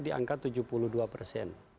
diangkat tujuh puluh dua persen